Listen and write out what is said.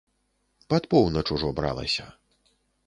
Пад поўнач ужо бралася.